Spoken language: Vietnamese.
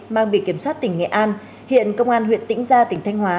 mang bị kiểm soát tỉnh nghệ an hiện công an huyện tĩnh gia tỉnh thanh hóa